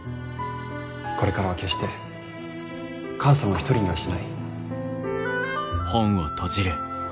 これからは決して母さんを一人にはしない。